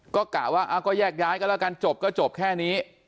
ก็กะว่าก็แยกย้ายกันแล้วกันจบก็จบแค่นี้